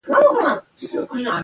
دا ژورنال د اندنوټونو کارول شرط ګڼي.